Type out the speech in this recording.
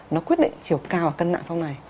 nó quyết định chiều cao và cân nặng sau này